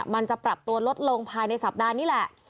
มันจะปรับตัวลดลงภายในสัปดาห์นี้แหละ